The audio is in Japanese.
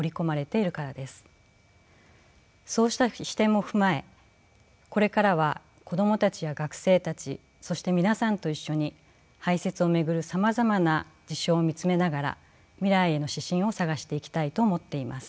そうした視点を踏まえこれからは子供たちや学生たちそして皆さんと一緒に排泄を巡るさまざまな事象を見つめながら未来への指針を探していきたいと思っています。